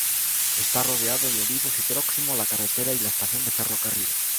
Está rodeado de olivos y próximo a la carretera y la estación de ferrocarril.